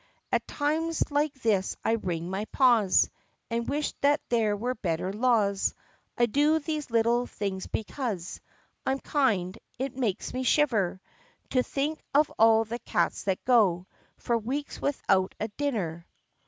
At times like this I wring my paws And wish that there were better laws. I do these little things because I 'm kind ; it makes me shiver To think of all the cats that go For weeks without a dinner.